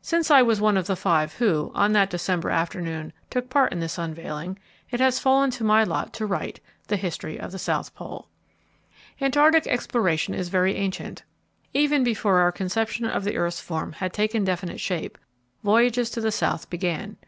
Since I was one of the five who, on that December afternoon, took part in this unveiling, it has fallen to my lot to write the history of the South Pole. Antarctic exploration is very ancient. Even before our conception of the earth's form had taken definite shape, voyages to the South began.